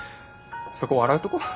そこ笑うとこ？